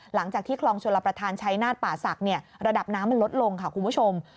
หลังจากที่คลองชลประธานชายนาฏป่าศักดิ์ระดับน้ำมันลดลงค่ะคุณผู้ชม